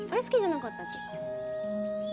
好きじゃなかったっけ？